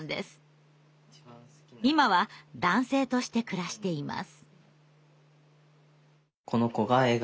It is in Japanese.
今は男性として暮らしています。